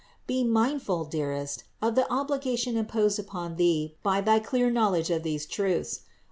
Be mindful, dearest, of the obligation imposed upon thee by thy clear knowledge of these truths.